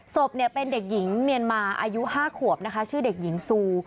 ศพเป็นเด็กหญิงเมียนมาอายุ๕ขวบนะคะชื่อเด็กหญิงซู